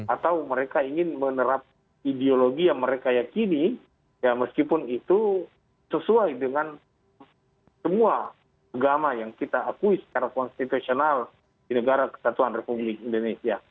atau mereka ingin menerap ideologi yang mereka yakini meskipun itu sesuai dengan semua agama yang kita akui secara konstitusional di negara kesatuan republik indonesia